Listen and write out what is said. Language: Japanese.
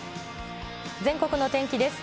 全国の天気です。